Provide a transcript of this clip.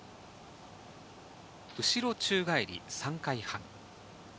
後ろ宙返り３回半。